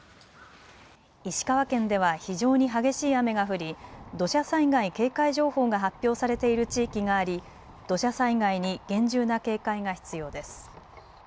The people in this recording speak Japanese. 石川県では非常に激しい雨が降り土砂災害警戒情報が発表されている地域があり土砂災害に厳重な警戒が必要です。